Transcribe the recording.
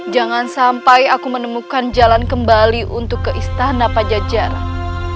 jangan sampai aku menemukan jalan kembali untuk ke istana pajajaran